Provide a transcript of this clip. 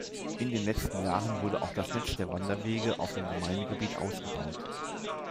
In den letzten Jahren wurde auch das Netz der Wanderwege auf dem Gemeindegebiet ausgebaut.